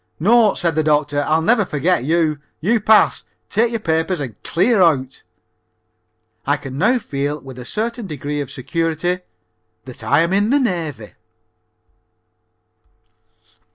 "No," said the doctor, "I'll never forget you. You pass. Take your papers and clear out." I can now feel with a certain degree of security that I am in the Navy.